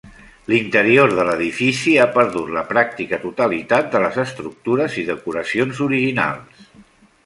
L'interior de l'edifici ha perdut la pràctica totalitat de les estructures i decoracions originals.